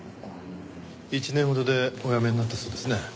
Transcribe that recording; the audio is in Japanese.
１年ほどでお辞めになったそうですね。